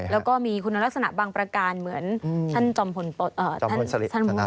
แล้วก็มีคุณลักษณะบางประการเหมือนท่านจอมพลท่าน